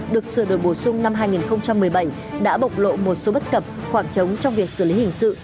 được sửa đổi bổ sung năm hai nghìn một mươi bảy đã bộc lộ một số bất cập khoảng trống trong việc xử lý hình sự